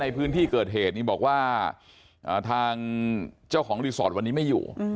พื้นที่เกิดเหตุนี้บอกว่าทางเจ้าของรีสอร์ทวันนี้ไม่อยู่